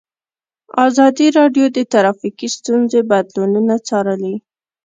ازادي راډیو د ټرافیکي ستونزې بدلونونه څارلي.